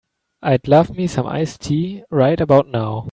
I'd love me some iced tea right about now.